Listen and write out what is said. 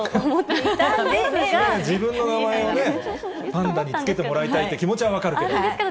自分の名前をね、パンダに付けてもらいっていう気持ちは分かるけど。